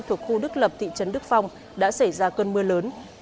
thuộc khu đức lập thị trấn đức phong đã xảy ra cơn mưa lớn